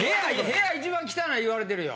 部屋一番汚い言われてるよ。